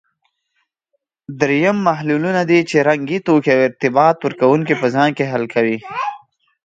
دریم محللونه دي چې رنګي توکي او ارتباط ورکوونکي په ځان کې حل کوي.